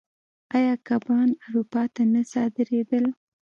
آیا کبان اروپا ته نه صادرېدل؟